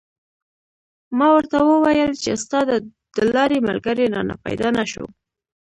ما ورته و ویل چې استاده د لارې ملګری رانه پیدا نه شو.